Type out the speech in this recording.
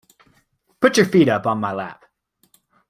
Put your feet up on my lap.